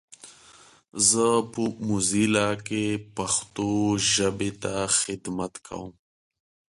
زه په موزیلا کې پښتو ژبې ته خدمت کوم.